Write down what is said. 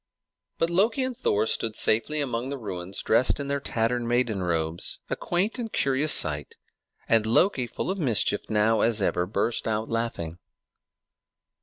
But Loki and Thor stood safely among the ruins, dressed in their tattered maiden robes, a quaint and curious sight; and Loki, full of mischief now as ever, burst out laughing.